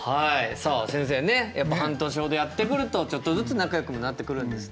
さあ先生ねやっぱ半年ほどやってくるとちょっとずつ仲よくもなってくるんですね。